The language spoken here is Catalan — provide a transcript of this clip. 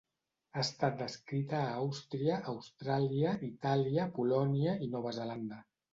Ha estat descrita a Àustria, Austràlia, Itàlia, Polònia i Nova Zelanda.